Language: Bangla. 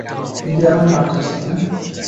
কিন্তু এখন ভাবছিস, তাই না?